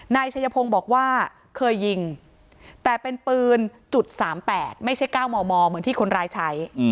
นายชัยพงศ์บอกว่าเคยยิงแต่เป็นปืน๓๘ไม่ใช่๙มมเหมือนที่คนร้ายใช้